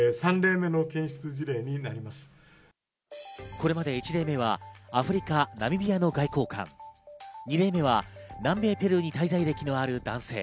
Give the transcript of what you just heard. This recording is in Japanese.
これまで１例目はアフリカ・ナミビアの外交官、２例目は南米・ペルーに滞在歴のある男性。